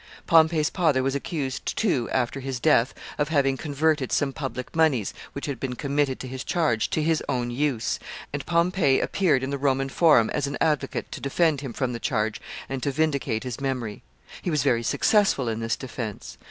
Pompey's father was accused, too, after his death, of having converted some public moneys which had been committed to his charge to his own use, and Pompey appeared in the Roman Forum as an advocate to defend him from the charge and to vindicate his memory. He was very successful in this defense.